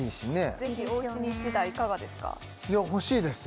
ぜひおうちに１台いかがですか？